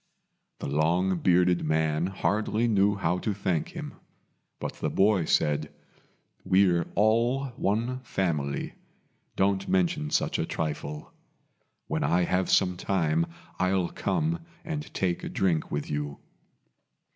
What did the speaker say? The long bearded man hardly knew how to thank him; but the boy said, "We're all one family. Don't mention such a trifle. When I have time I'll come and take a drink with you."